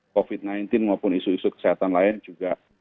covid sembilan belas maupun isu isu kesehatan lain juga